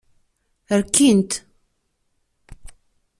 Rkin-t.